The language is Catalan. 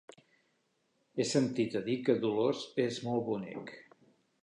He sentit a dir que Dolors és molt bonic.